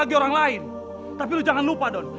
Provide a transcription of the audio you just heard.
harga yang saya menstruasi bukan besar